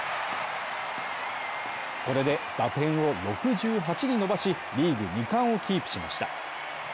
これで打点を６８に伸ばし、リーグ２冠をキープしました。